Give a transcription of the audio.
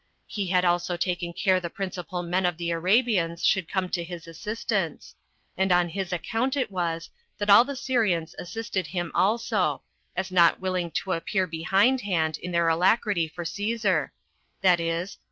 He had also taken care the principal men of the Arabians should come to his assistance; and on his account it was that all the Syrians assisted him also, as not willing to appear behindhand in their alacrity for Cæsar, viz.